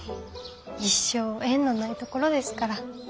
一生縁のない所ですから。